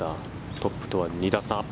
トップとは２打差。